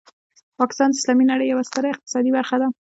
پاکستان د اسلامي نړۍ یوه ستره اقتصادي برخه ده.